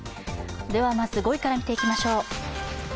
まず５位から見ていきましょう。